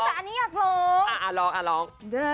ไม่จะครอง